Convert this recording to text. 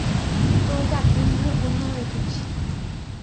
তোমাকে এতদিন ধরে হন্যে হয়ে খুঁজছি!